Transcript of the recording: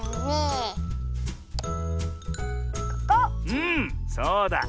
うんそうだ。